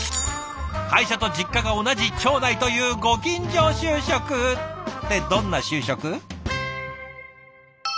会社と実家が同じ町内というご近所就職！ってどんな就職？